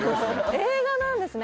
映画なんですね